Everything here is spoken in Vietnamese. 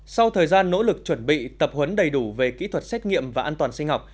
sau thời gian nỗ lực chuẩn bị tập huấn đầy đủ về kỹ thuật xét nghiệm và an toàn sinh học